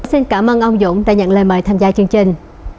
xin cảm ơn ông dũng đã nhận lời mời tham gia chương trình